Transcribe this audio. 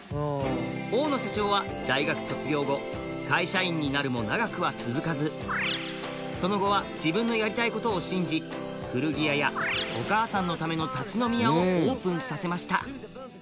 大野社長は大学卒業後会社員になるも長くは続かずその後は自分のやりたいことを信じ古着屋やお母さんのための立ち飲み屋をオープンさせました